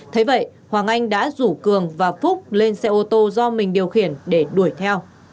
thế vậy hoàng anh đã rủ cường và phúc lên xe ô tô do mình điều khiển để đuổi theo